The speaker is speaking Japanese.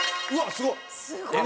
すごい！